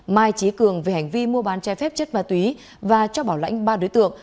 mai trí cường về hành vi mua bán chai phép chất ma túy và cho bảo lãnh ba đối tượng